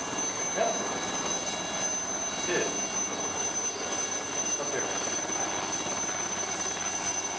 An emperor of the Roman Empire is, of course, a very different matter.